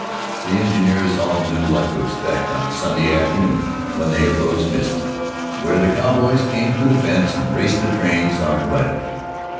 The engineers all knew what to expect on a Sunday afternoon when they approached Misery, where the cowboys came through the fence and raced the trains on the right of way.